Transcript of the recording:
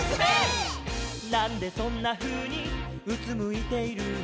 「なんでそんなふうにうつむいているの」